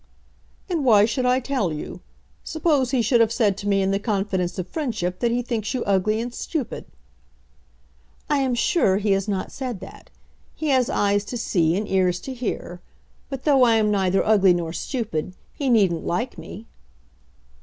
"And why should I tell you? Suppose he should have said to me in the confidence of friendship that he thinks you ugly and stupid." "I am sure he has not said that. He has eyes to see and ears to hear. But, though I am neither ugly nor stupid, he needn't like me."